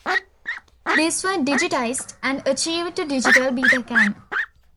These were digitised and archived to Digital Betacam.